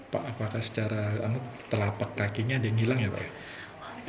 pak apakah secara telapak kakinya ada yang hilang ya pak